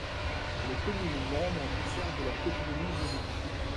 Les communes membres conservent leur autonomie juridique.